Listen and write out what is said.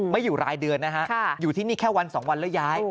ไม่อยู่รายเดือนนะฮะอยู่ที่นี่แค่วันสองวันแล้วย้าย